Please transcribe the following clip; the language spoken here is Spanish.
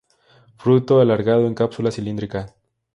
Fruto alargado en cápsula cilíndrica.